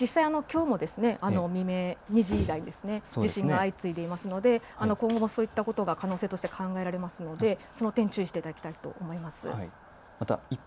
実際、きょうも未明、２時台に地震が相次いでいますので今後もそういった可能性としては考えられますので注意していただきたいと思います。